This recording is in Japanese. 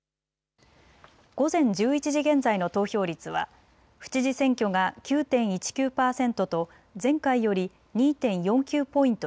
午前１１時現在の投票率は府知事選挙が９．１９％と前回より２．４９ポイント